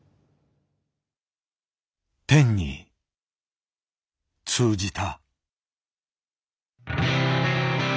天に通じた。